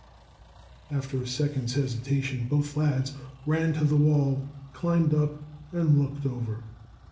After a second's hesitation, both lads ran to the wall, climbed up, and looked over.